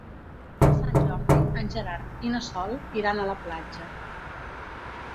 Per Sant Jordi en Gerard i na Sol iran a la platja.